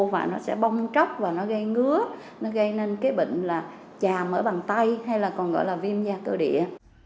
và nó sẽ bong chóc và nó gây ngứa nó gây nên cái bệnh là chàm ở bàn tay hay là còn gọi là viêm da cơ địa